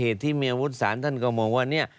ที่มีอาวุธศาลท่านก็มองว่าเนี่ย